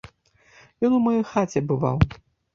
Ён у маёй хаце бываў.